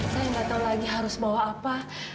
saya nggak tahu lagi harus bawa apa